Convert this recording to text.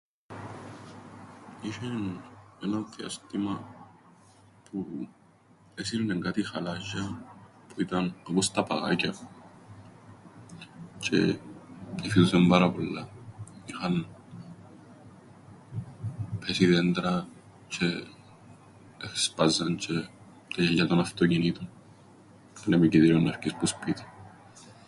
Είσ̆εν έναν διάστημαν που έσυρνεν κάτι χαλάζ̆ια που ήταν όπως τα παγάκια, τζ̆αι εφυσούσεν πάρα πολλά, τζ̆' είχαν ππέσει δέντρα τζ̆αι εσπάζαν τζ̆αι τα γυαλιά των αυτοκινήτων. Ήταν επικίνδυνο να φκεις που σπίτιν.